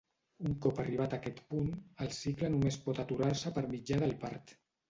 Un cop arribat aquest punt, el cicle només pot aturar-se per mitjà del part.